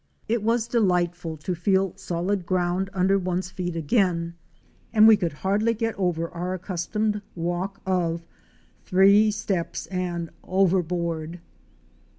It was delightful to feel solid ground under one's feet again and we could hardly get over our accustomed walk of "three steps and over board."